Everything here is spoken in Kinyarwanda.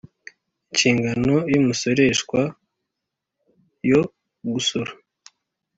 Inshingano y umusoreshwa yo gusora